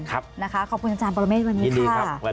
ขอบคุณอาจารย์ปรเมฆวันนี้ค่ะ